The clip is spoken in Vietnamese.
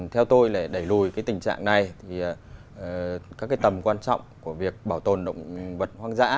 theo tôi để đẩy lùi cái tình trạng này thì các cái tầm quan trọng của việc bảo tồn động vật hoang dã